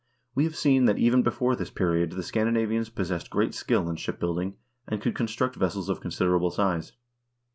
We have seen that even before this period the Scan dinavians possessed great skill in ship building, and could construct vessels of considerable size.